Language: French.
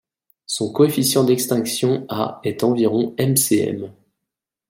Son coefficient d'extinction à est environ Mcm.